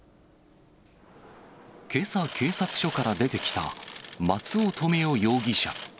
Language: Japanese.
けさ警察署から出てきた、松尾留与容疑者。